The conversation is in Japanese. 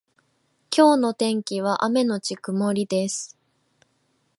今日の天気は雨のち曇りです。